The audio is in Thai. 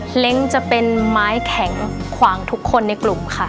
เล้งจะเป็นไม้แข็งขวางทุกคนในกลุ่มค่ะ